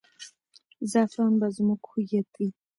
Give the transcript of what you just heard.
زعفران به زموږ هویت وي.